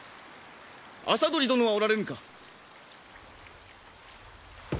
麻鳥殿はおられるか？